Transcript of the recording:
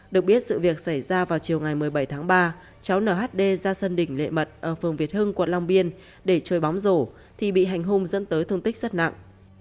được biết sự việc xảy ra vào chiều ngày một mươi bảy tháng ba cháu nhd ra sân đỉnh lệ mật ở phường việt hưng quận long biên để chơi bóng rổ thì bị hành hung dẫn tới thương tích rất nặng